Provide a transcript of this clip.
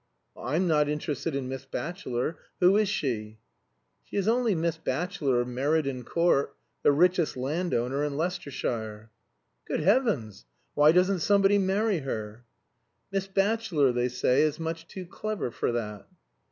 "I am not interested in Miss Batchelor. Who is she?" "She is only Miss Batchelor of Meriden Court the richest land owner in Leicestershire." "Good heavens! Why doesn't somebody marry her?" "Miss Batchelor, they say, is much too clever for that."